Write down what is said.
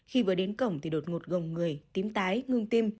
khi vừa đến cổng thì đột ngột gồm người tím tái ngưng tim